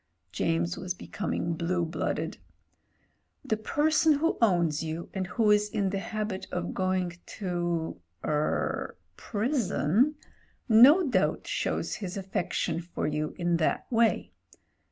James was becoming blue blooded. "The person who owns you, and who is in the habit of going to — er — ^prison, no doubt shows his affection for you in that way.